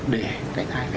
để cái thai